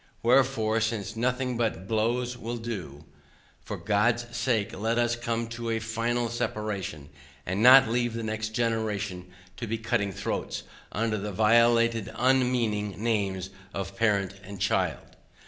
Wherefore, since nothing but blows will do, for God's sake, let us come to a final separation, and not leave the next generation to be cutting throats, under the violated unmeaning names of parent and child.